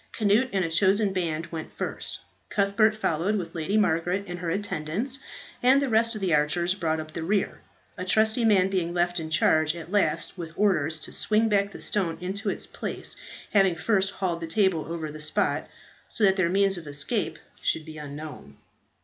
Cnut and a chosen band went first; Cuthbert followed, with Lady Margaret and her attendants; and the rest of the archers brought up the rear, a trusty man being left in charge at last with orders to swing back the stone into its place, having first hauled the table over the spot, so that their means of escape should be unknown.